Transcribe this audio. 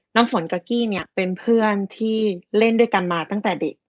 น้ำฝนกับกี้เนี่ยเป็นเพื่อนที่เล่นด้วยกันมาตั้งแต่เด็ก